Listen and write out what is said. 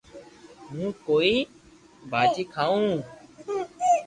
ھون ڪوئي ڀاجي کاوِ